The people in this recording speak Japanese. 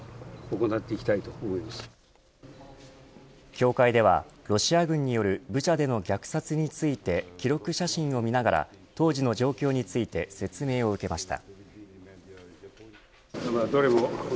教会ではロシア軍によるブチャでの虐殺について記録写真を見ながら当時の様子に状況について説明を受けました。